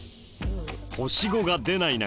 星５が出ない中